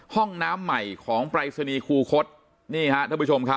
ห้องน้ำใหม่ของปรายศนีย์คูคต